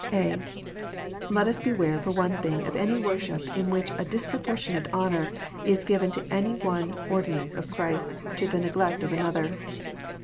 (a) Let us beware, for one thing, of any worship in which a disproportionate honour is given to any one ordinance of Christ, to the neglect of another.